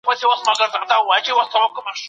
ټول شیان د انسان د ګټي لپاره دي.